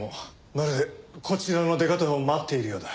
まるでこちらの出方を待っているようだ。